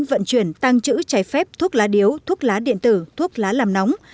vận chuyển tăng trữ cháy phép thuốc lá điếu thuốc lá điện tử thuốc lá làm nóng